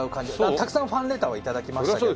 たくさんファンレターは頂きましたけど。